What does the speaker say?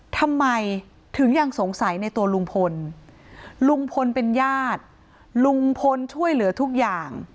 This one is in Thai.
ทำไมถึงยังสงสัยในตัวลุงพลลุงพลเป็นญาติลุงพลช่วยเหลือทุกอย่าง